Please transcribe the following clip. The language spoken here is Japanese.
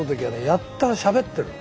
やたらしゃべってる。